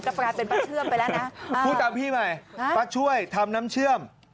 กลายเป็นป้าเชื่อมไปแล้วนะพูดตามพี่ใหม่ป้าช่วยทำน้ำเชื่อม